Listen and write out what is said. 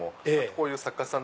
こういう作家さん